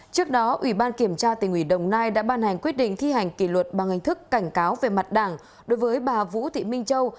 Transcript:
trước đó ủy ban kiểm tra tỉnh ủy đồng nai đã ban hành quyết định thi hành kỷ luật bằng hình thức cảnh cáo về mặt đảng đối với bà vũ thị minh châu